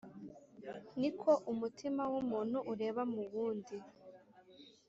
ni ko umutima w’umuntu ureba mu wundi